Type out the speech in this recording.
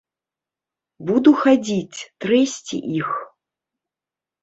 Буду хадзіць, трэсці іх.